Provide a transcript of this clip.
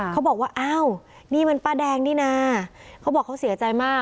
เขาบอกว่าอ้าวนี่มันป้าแดงนี่นะเขาบอกเขาเสียใจมาก